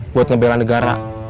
buat ngebelan negara